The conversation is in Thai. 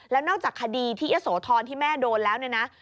แล้วนอกจากคดีที่ยะโสธรที่แม่โดนแล้วเนี่ยนะ